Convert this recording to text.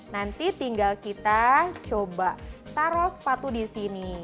nanti tinggal kita coba taruh sepatu di sini